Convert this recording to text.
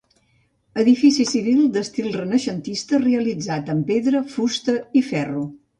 Edifici civil d'estil renaixentista, realitzat amb pedra, fusta i ferro.